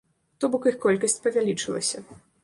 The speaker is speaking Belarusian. То бок іх колькасць павялічылася.